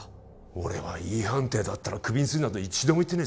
俺はＥ判定だったらクビにするなど一度も言ってね